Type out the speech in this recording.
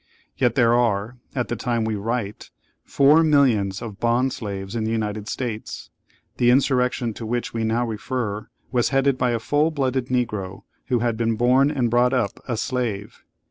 Yet there are, at the time we write, four millions of bond slaves in the United States. The insurrection to which we now refer was headed by a full blooded Negro, who had been born and brought up a slave.